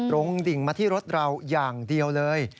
ดิ่งมาที่รถเราอย่างเดียวเลย